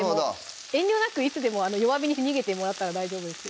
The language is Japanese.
遠慮なくいつでも弱火に逃げてもらったら大丈夫です